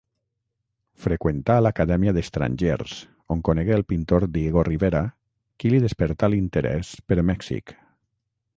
Freqüentà l'Acadèmia d'Estrangers, on conegué el pintor Diego Rivera, qui li despertà l’interès per Mèxic.